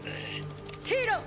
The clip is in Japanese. ヒーロー！